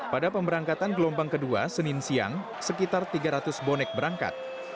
pada pemberangkatan gelombang kedua senin siang sekitar tiga ratus bonek berangkat